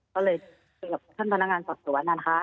ก็เลยเกี่ยวกับท่านพนักงานศักดิ์สวรรค์นั้นค่ะ